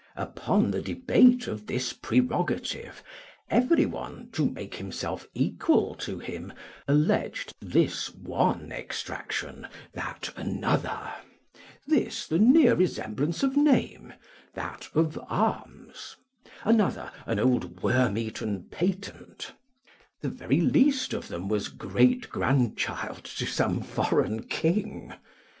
Upon the debate of this prerogative, every one, to make himself equal to him, alleged, this one extraction, that another; this, the near resemblance of name, that, of arms; another, an old worm eaten patent; the very least of them was great grandchild to some foreign king.